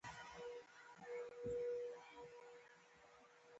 هر وخت د خدای یادول پکار دي.